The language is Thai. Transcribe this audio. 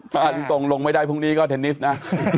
แผ่นขนส่วนลงไม่ได้พรุ่งนี้ก็เทนนิสนะ